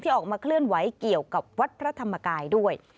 ออกมาเคลื่อนไหวเกี่ยวกับวัดพระธรรมกายด้วย